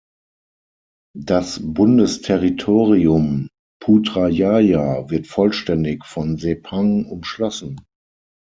Das Bundesterritorium Putrajaya wird vollständig von Sepang umschlossen.